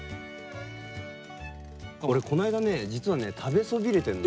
俺この間ね実はね食べそびれてんの。